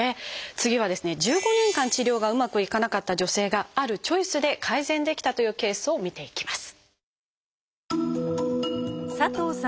次はですね１５年間治療がうまくいかなかった女性があるチョイスで改善できたというケースを見ていきます。